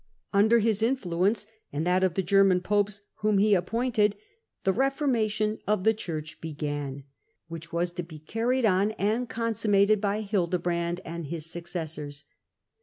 Under his influ ence, and that of the German popes whom he appointed, die reformation of the Church began, which was to be Digitized by VjOOQIC / 4 HiLDRBRAND carried on and consummated by Hildebrand and his successors.